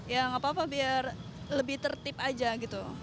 ya nggak apa apa biar lebih tertib aja gitu